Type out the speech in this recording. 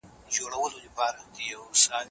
مقاومت مهارت دی.